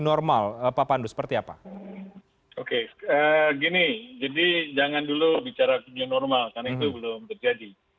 normal pak pandu seperti apa oke gini jadi jangan dulu bicara new normal karena itu belum terjadi